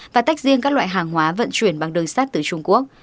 và tách riêng các loại hàng hóa vận chuyển bằng đường sắt từ trung quốc